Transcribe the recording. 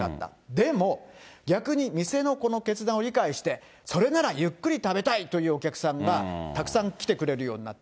でも、逆に店のこの決断を理解して、それならゆっくり食べたいというお客さんがたくさん来てくれるようになった。